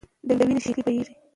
د وینو شېلې بهېږي.